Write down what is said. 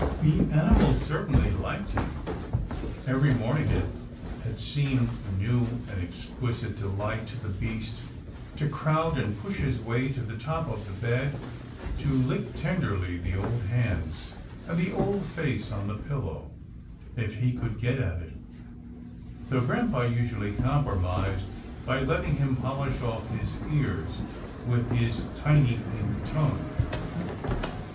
The animal certainly liked him. .Every morning, it had seemed a new and exquisite delight to the little beast, to crowd and push his way to the top of the bed, to lick tenderly the old hands, and the old face on the pillow if he could get at it, though grampa usually compromised by letting him polish off his ears with his tiny pink tongue.